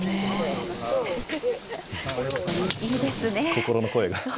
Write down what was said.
心の声が。